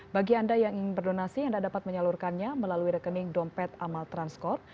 bagi anda yang ingin berdonasi anda dapat menyalurkannya melalui rekening dompet amal transkor